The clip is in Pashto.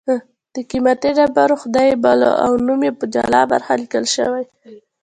د قېمتي ډبرې خدای یې باله او نوم یې په جلا برخه لیکل شوی